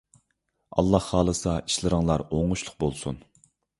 ئاللاھ خالىسا ئىشلىرىڭلار ئوڭۇشلۇق بولسۇن!